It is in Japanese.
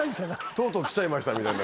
とうとうきちゃいましたみたいな。